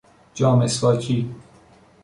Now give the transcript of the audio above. جا مسواکی